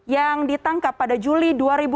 yang ditangkap pada juli dua ribu dua puluh